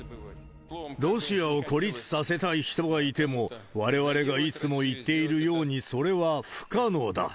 ロシアを孤立させたい人がいても、われわれがいつも言っているように、それは不可能だ。